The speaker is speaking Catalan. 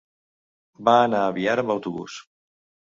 Va anar a Biar amb autobús.